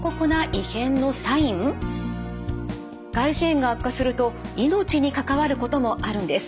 外耳炎が悪化すると命に関わることもあるんです。